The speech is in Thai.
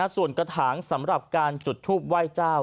ส่วนกระถางสำหรับการจุดทูปไหว้เจ้า